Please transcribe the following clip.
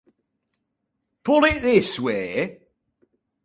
Put it this way.